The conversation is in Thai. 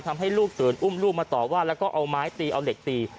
ทำให้ลูกเสริญอุ้มลูกมาต่อว่าแล้วก็เอาไม้ตีเอาเหล็กตี